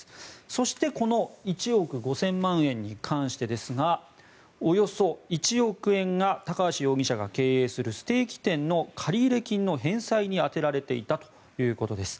そして、この１億５０００万円に関してですがおよそ１億円が高橋容疑者が経営するステーキ店の借入金の返済に充てられていたということです。